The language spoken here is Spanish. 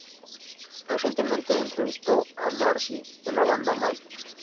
Recientemente entrevistó a Nasri de la banda Magic!